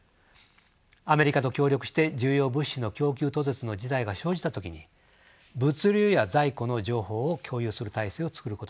アメリカと協力して重要物資の供給途絶の時代が生じた時に物流や在庫の情報を共有する体制をつくることにしました。